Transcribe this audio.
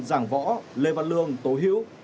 giảng võ lê văn lương tố hiếu